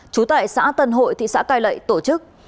chú tại xã tân hội thị xã cai lậy tổ chức